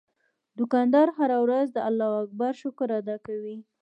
دوکاندار هره ورځ د الله شکر ادا کوي.